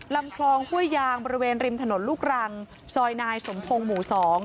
ลำคลองห้วยยางบริเวณริมถนนลูกรังซอยนายสมพงศ์หมู่๒